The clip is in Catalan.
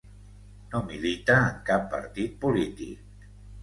No milita en cap partit polític.